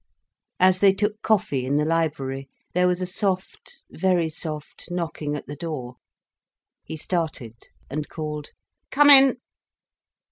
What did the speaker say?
As they took coffee in the library, there was a soft, very soft knocking at the door. He started, and called "Come in."